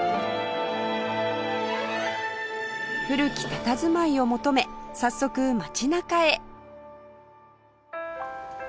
古きたたずまいを求め早速街中へ